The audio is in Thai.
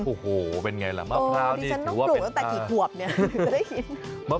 โอ้โฮเป็นไงล่ะมะพร้าวนี่ถือว่าเป็นโอ้โฮดิฉันต้องปลูกตั้งแต่กี่ขวบนี่จะได้กิน